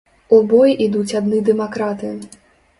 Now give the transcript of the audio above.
У бой ідуць адны дэмакраты.